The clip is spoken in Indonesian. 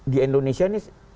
di indonesia ini